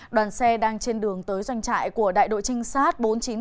đoàn xe đang trên đường tới doanh trại của đại đội trinh sát bốn nghìn chín trăm linh sáu